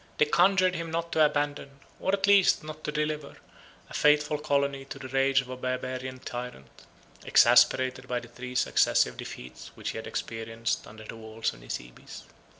They conjured him not to abandon, or, at least, not to deliver, a faithful colony to the rage of a Barbarian tyrant, exasperated by the three successive defeats which he had experienced under the walls of Nisibis.